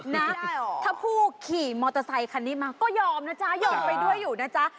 นะถ้าผู้ขี่มอเตอร์ไซคันนี้มาก็ยอมนะจ๊ะยอมไปด้วยอยู่นะจ๊ะ